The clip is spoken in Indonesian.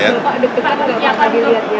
dekat ke apa dilihat ya